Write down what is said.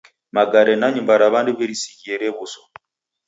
Magare na nyumba ra w'andu w'irisighie rew'uswa.